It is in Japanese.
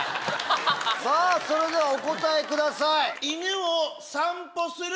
それではお答えください。